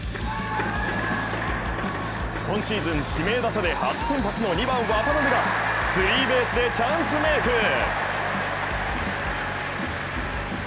今シーズン、指名打者で初先発の２番・渡邉がスリーベースでチャンスメイク。